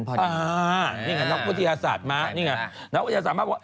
น้องพุทธศาสตร์มานี่ไง